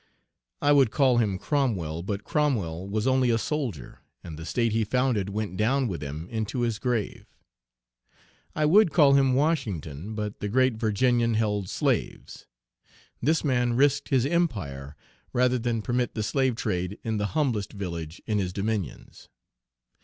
I would call him Cromwell, but Cromwell was only a soldier, and the state he founded went down with him into his grave. I would call him Washington, but the great Virginian held slaves. This man risked his empire rather than permit the slave trade in the humblest village in his dominions.